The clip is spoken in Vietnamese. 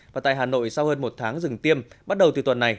và tại hà nội sau hơn một tháng dừng tiêm bắt đầu từ tuần này